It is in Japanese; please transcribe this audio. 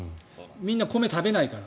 みんな米食べないから。